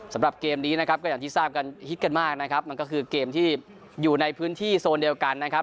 สำหรับเกมนี้นะครับก็อย่างที่ทราบกันฮิตกันมากนะครับมันก็คือเกมที่อยู่ในพื้นที่โซนเดียวกันนะครับ